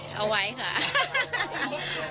เอาไว้ค่ะ